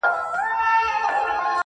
انځور په ځان کي درلودلی وي